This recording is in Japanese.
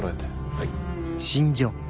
はい。